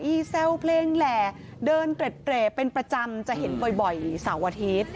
อี้แซ่วเพลงแหล่เดินเตรียดเตรียดเป็นประจำจะเห็นบ่อยบ่อยสาวอาทิตย์